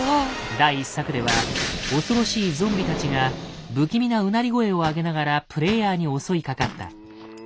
第１作では恐ろしいゾンビたちが不気味なうなり声を上げながらプレイヤーに襲いかかった。